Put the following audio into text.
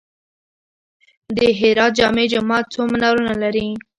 د هرات جامع جومات څو منارونه لري؟